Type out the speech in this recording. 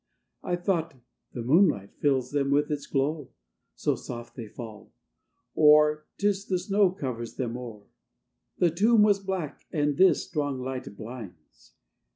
I thought, "The moonlight fills them with its glow, So soft they fall; or 'tis the snow Covers them o'er! the tomb was black, And this strong light blinds!"